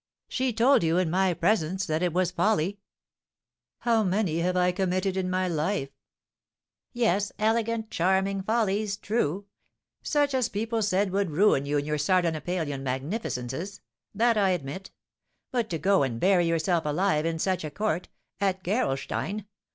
"She told you, in my presence, that it was a folly." "How many have I committed in my life?" "Yes, elegant, charming follies, true; such as people said would ruin you in your Sardanapalian magnificences, that I admit. But to go and bury yourself alive in such a court, at Gerolstein!